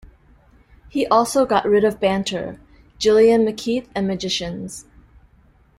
He also got rid of banter, Gillian McKeith and magicians.